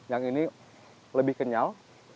yang ini lebih kenyal